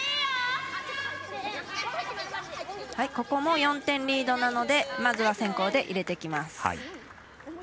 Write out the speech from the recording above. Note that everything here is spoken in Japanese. ここも４点リードなのでまずは先攻で入れてきます。